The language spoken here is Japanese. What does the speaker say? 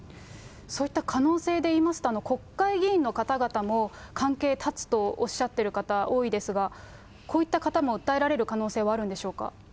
そういった可能性で言いますと、国会議員の方々も関係断つとおっしゃってる方多いですが、こういった方も訴えられる可能性はあるんでしょうか。